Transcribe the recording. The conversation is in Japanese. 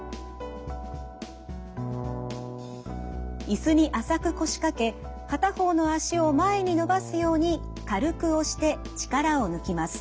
椅子に浅く腰掛け片方の脚を前に伸ばすように軽く押して力を抜きます。